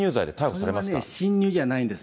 それはね、侵入じゃないんですよ。